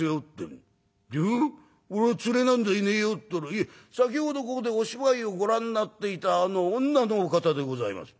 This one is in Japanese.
『いえ先ほどここでお芝居をご覧になっていたあの女のお方でございます』